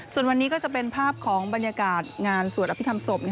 ส่วนวันนี้ก็จะเป็นภาพของบรรยากาศงานสวดอภิษฐรรมศพ